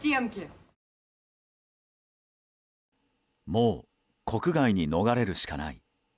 もう国外に逃れるしかない。